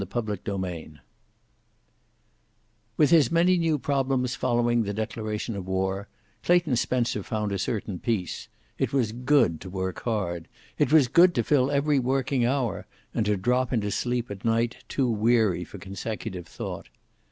CHAPTER XXXIV With his many new problems following the declaration of war, Clayton Spencer found a certain peace. It was good to work hard. It was good to fill every working hour, and to drop into sleep at night too weary for consecutive thought.